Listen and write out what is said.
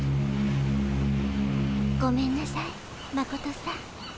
ごめんなさいマコトさん。